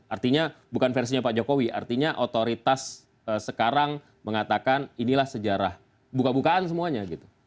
artinya bukan versinya pak jokowi artinya otoritas sekarang mengatakan inilah sejarah buka bukaan semuanya gitu